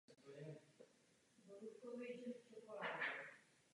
Ve svých začátcích ilustroval časopis "Zvonek" Gymnázia Třebíč.